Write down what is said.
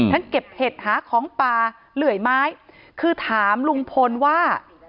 เก็บเห็ดหาของป่าเหลื่อยไม้คือถามลุงพลว่า